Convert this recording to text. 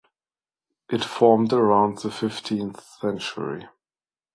It formed around the fifteenth century.